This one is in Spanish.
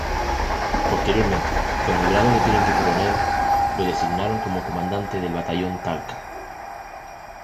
Posteriormente, con el grado de Teniente Coronel, lo designaron como comandante del Batallón Talca.